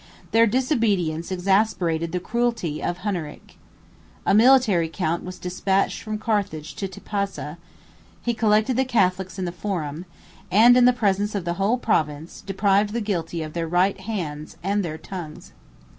Their disobedience exasperated the cruelty of Hunneric. A military count was despatched from Carthage to Tipasa: he collected the Catholics in the Forum, and, in the presence of the whole province, deprived the guilty of their right hands and their tongues.